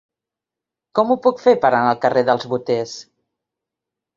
Com ho puc fer per anar al carrer dels Boters?